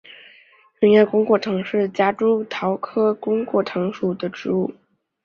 圆叶弓果藤是夹竹桃科弓果藤属的植物。